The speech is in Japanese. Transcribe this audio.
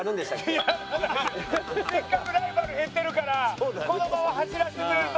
せっかくライバル減ってるからこのまま走らせてくれると。